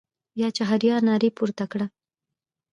یا چهاریار نارې پورته کړې.